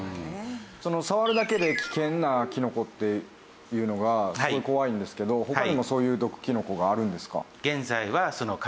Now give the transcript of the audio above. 触るだけで危険なキノコっていうのがすごい怖いんですけど他にもそういう毒キノコがあるんですか？